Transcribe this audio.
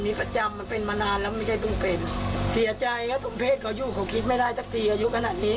ปีทั้งปีไปโรงเรียนถึง๑๐วันหรือเปล่าไม่รู้